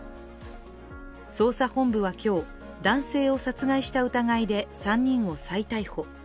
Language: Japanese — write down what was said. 捜査本部は今日、男性を殺害した疑いで３人を再逮捕。